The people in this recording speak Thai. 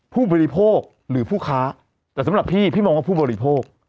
ผู้บริโภคหรือผู้ค้าแต่สำหรับพี่พี่มองว่าผู้บริโภค